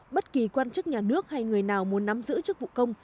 bất kỳ quan chức nhà nước hay người nào muốn nắm giữ chức vụ công